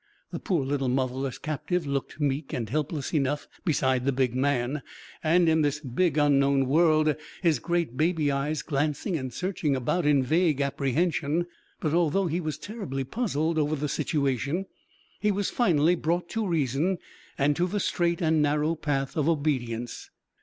The poor little motherless captive looked meek and helpless enough beside the big man, and in this big unknown world, his great baby eyes glancing and searching about in vague apprehension; but although he was terribly puzzled over the situation, he was finally brought to reason and to the straight and narrow path of obedience.